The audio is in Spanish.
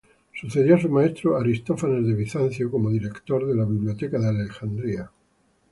Sucedió a su maestro Aristófanes de Bizancio como director de la Biblioteca de Alejandría.